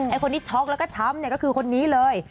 คนที่ช็อกแล้วก็ช้ำเนี่ยก็คือคนนี้เลย